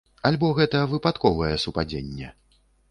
Альбо гэта выпадковае супадзенне?